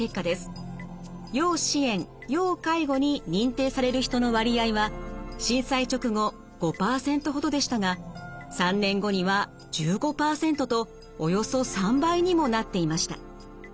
要支援・要介護に認定される人の割合は震災直後５％ほどでしたが３年後には１５％とおよそ３倍にもなっていました。